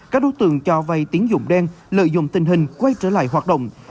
các đối tượng cho vay tiến dụng đen lợi dụng tình hình quay trở lại hoạt động